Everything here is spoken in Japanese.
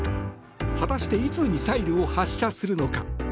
果たしていつミサイルを発射するのか。